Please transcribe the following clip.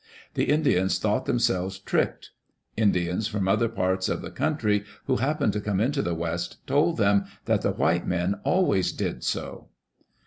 The Indians thought themselves tricked, Indians from other parts of the coun try who happened to come into the west told them that the white men always did so.